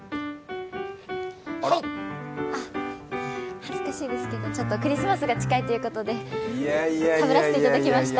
恥ずかしいですけど、ちょっとクリスマスが近いということでかぶらせていただきました。